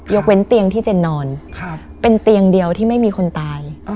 เว้นเตียงที่เจนนอนเป็นเตียงเดียวที่ไม่มีคนตาย